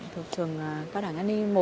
thực trường cao đẳng an ninh i